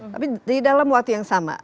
tapi di dalam waktu yang sama